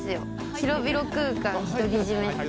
広々空間独り占めって。